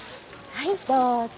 はいどうぞ。